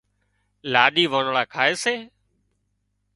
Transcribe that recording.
لاڏي وانۯا کائي سي